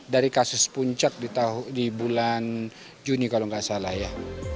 dari kasus puncak di bulan juni kalau nggak salah ya